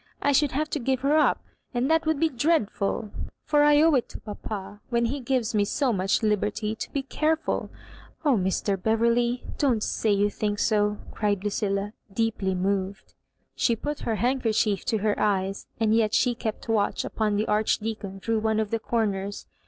I should have to give her up, and that would be dreadful;' for I owe it to papa, when he gives me so much liberty, to be very careful Oh, Mr' Beveriey, don't say you think so," cried Lueilla^ deeply moved. She put her handkerchief to her eyes, and yet she kept watch upon the Archdeacon through one of the comers.